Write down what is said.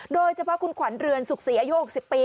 โดยเฉพาะคุณขวัญเรือนสุขศรีอายุ๖๐ปี